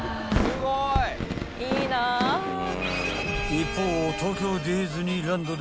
［一方］